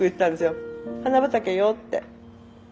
お花畑よって。